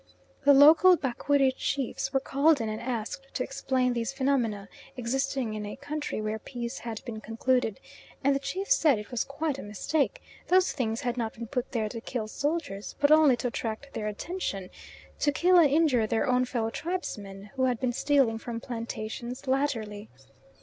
The local Bakwiri chiefs were called in and asked to explain these phenomena existing in a country where peace had been concluded, and the chiefs said it was quite a mistake, those things had not been put there to kill soldiers, but only to attract their attention, to kill and injure their own fellow tribesmen who had been stealing from plantations latterly.